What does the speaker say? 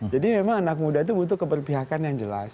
jadi memang anak muda itu butuh keperpihakan yang jelas